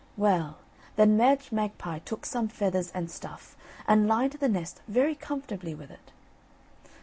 Well, then Madge Magpie took some feathers and stuff and lined the nest very comfortably with it.